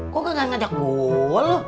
kok gak ngajak gue